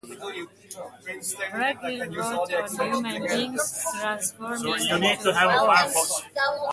Virgil wrote of human beings transforming into wolves.